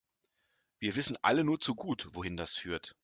Wir wissen alle nur zu gut, wohin das führt.